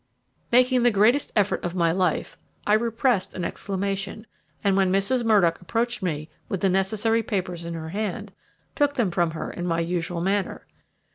Making the greatest effort of my life, I repressed an exclamation, and when Mrs. Murdock approached me with the necessary papers in her hand, took them from her in my usual manner.